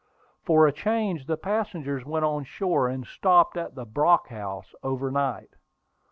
For a change, the passengers went on shore and stopped at the Brock House over night.